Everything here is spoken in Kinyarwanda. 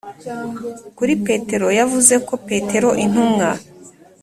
kuri petero, yavuze ko petero intumwa